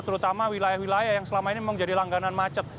terutama wilayah wilayah yang selama ini menjadi langganan macet